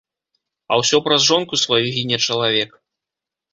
А ўсё праз жонку сваю гіне чалавек.